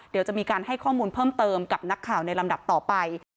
เดี๋ยวจะมีการให้ข้อมูลเพิ่มเติมกับนักข่าวในลำดับต่อไป